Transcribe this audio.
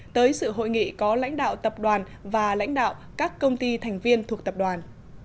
tới sự hội nghị có lãnh đạo tập đoàn và lãnh đạo các công ty thành viên thuộc tập đoàn